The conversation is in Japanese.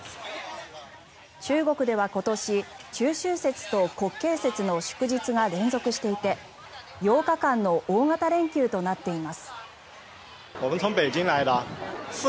中国では今年中秋節と国慶節の祝日が連続していて８日間の大型連休となっています。